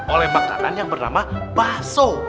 oleh makanan yang bernama bakso